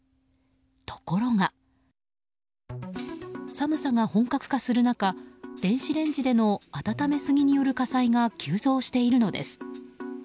ところが、寒さが本格化する中電子レンジでの温めすぎによる火災が急増しているのです。